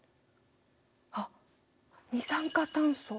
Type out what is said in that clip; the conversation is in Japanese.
あっ二酸化炭素